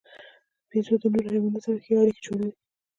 بیزو د نورو حیواناتو سره ښې اړیکې جوړوي.